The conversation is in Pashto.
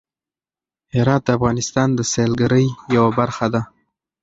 هرات د افغانستان د سیلګرۍ یوه برخه ده.